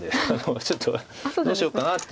ちょっとどうしようかなっていう。